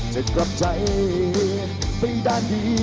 จะกลับใจไปด้านดี